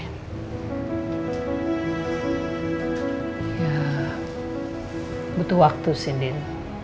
ya butuh waktu sih din